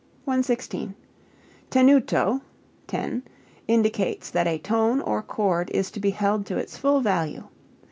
116. Tenuto (ten.) indicates that a tone or chord is to be held to its full value.